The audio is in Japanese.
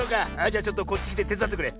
じゃちょっとこっちきててつだってくれ。